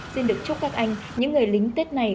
xin được chúc các anh những người lính tết này